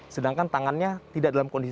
sedangkan tangannya tidak dalam kondisi